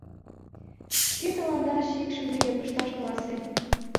Кӧ тыланда шикшым тыге пышташ каласен?